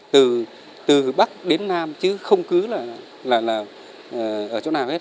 từ từ bắc đến nam chứ không cứ là ở chỗ nào hết